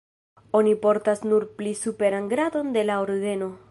Oni portas nur pli superan gradon de la ordeno.